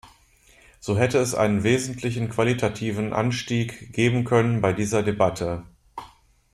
So hätte es einen wesentlichen qualitativen Anstieg geben können bei dieser Debatte.